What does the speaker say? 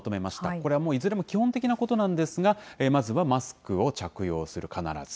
これはもう、いずれも基本的なことなんですが、まずはマスクを着用する、必ず。